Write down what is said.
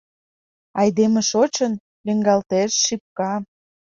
Айдеме шочын — лӱҥгалтеш шипка.